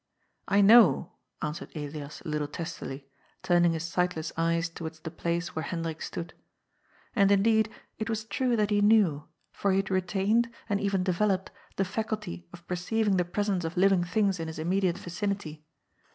" I know," answered Elias a little testily, turning his sightless eyes towards the place where Hendrik stood. And, indeed, it was true that he knew, for he had retained, and even developed, the faculty of perceiving the presence of living things in his immediate vicinity.